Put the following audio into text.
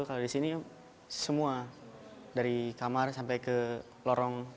kalau di sini semua dari kamar sampai ke lorong